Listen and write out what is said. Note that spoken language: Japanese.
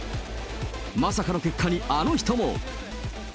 まさかの結果に、あの人も。